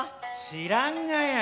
「知らんがや。